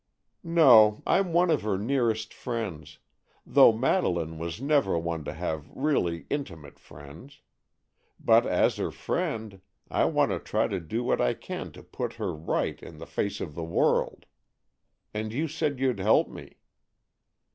"No, I'm one of her nearest friends,—though Madeleine was never one to have really intimate friends. But as her friend, I want to try to do what I can to put her right in the face of the world. And you said you'd help me."